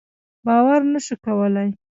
باور نه شو کولای.